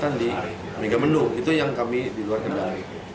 dan kemudian diperbaiki oleh kami di megabendung itu yang kami diluar kendaraan